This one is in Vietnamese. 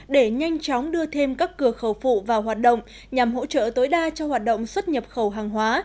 để nhanh chóng đưa thêm các cửa khẩu phụ vào hoạt động nhằm hỗ trợ tối đa cho hoạt động xuất nhập khẩu hàng hóa